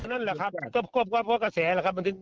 นั่นแหละครับก็เพราะกระแสแหละครับ